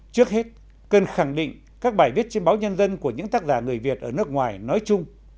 trước hết cần khẳng định các bài viết trên báo nhân dân của những tác giả người việt ở nước ngoài nói chung